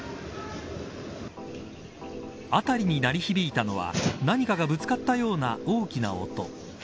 辺りに鳴り響いたのは何かがぶつかったような大きな音。